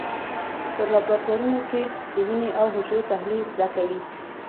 په لابراتوارونو کې د وینې او حجرو تحلیل زده کوي.